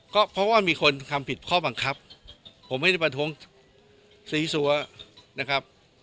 ก็เพราะว่ามีคนทำผิดข้อบังคับผมไม่ได้ประท้วงสีสัวนะครับ